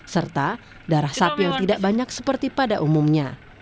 serta darah sapi yang tidak banyak seperti pada umumnya